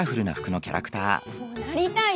こうなりたいよ！